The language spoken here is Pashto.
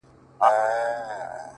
• تا دي کرلي ثوابونه د عذاب وخت ته؛